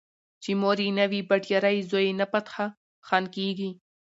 چې مور یې نه وي بټيارۍ زوی يې نه فتح خان کيږي